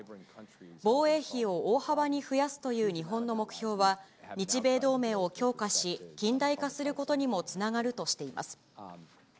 防衛費を大幅に増やすという日本の目標は、日米同盟を強化し、近代化することにもつながるとしています。